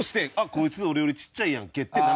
こいつの俺よりちっちゃいやんけって。